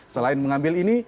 selain mengambil ini